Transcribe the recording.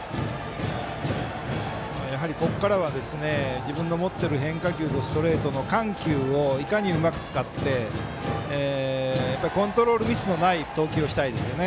やはりここからは自分の持ってる変化球とストレートの緩急をいかにうまく使ってコントロールミスのない投球をしたいですね。